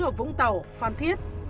ở vũng tàu phan thiết